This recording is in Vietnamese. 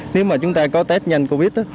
nếu mà chúng ta có test nhanh covid